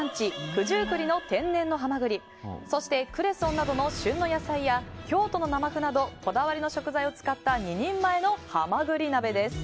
九十九里の天然のハマグリそしてクレソンなどの旬の野菜や京都の生麩などこだわりの食材を使った２人前のはまぐり鍋です。